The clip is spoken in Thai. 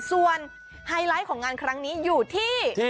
ส่วนไฮไลท์ของงานครั้งนี้อยู่ที่